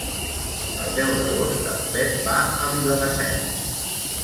El deu d'agost en Pep va a Viladasens.